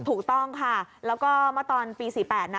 ถูกต้องค่ะแล้วก็เมื่อตอนปี๔๘นะ